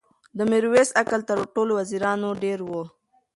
د میرویس عقل تر ټولو وزیرانو ډېر و.